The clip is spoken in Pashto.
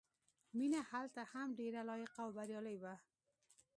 مینه هلته هم ډېره لایقه او بریالۍ وه